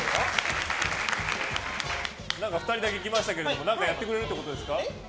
２人だけ来ましたけど何かやってくれるんですか？